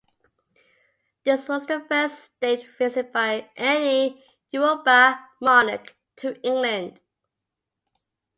This was the first state visit by any Yoruba monarch to England.